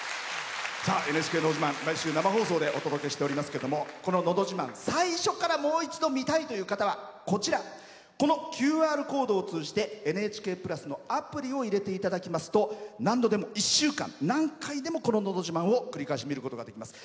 「ＮＨＫのど自慢」毎週生放送でお届けしておりますけどもこの「のど自慢」を最初からこの番組もう一度見たいという方はこのＱＲコードを通じて「ＮＨＫプラス」のアプリを入れていただきますと１週間何度でもこの「のど自慢」見ることができます。